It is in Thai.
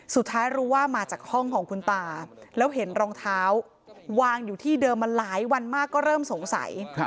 สุดท้ายรู้ว่ามาจากห้องของคุณตาแล้วเห็นรองเท้าวางอยู่ที่เดิมมาหลายวันมากก็เริ่มสงสัย